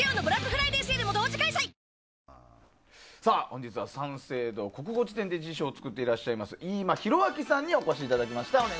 本日は「三省堂国語辞典」で辞書を作ってらっしゃる飯間浩明さんにお越しいただきました。